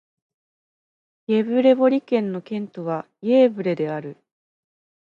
イェヴレボリ県の県都はイェーヴレである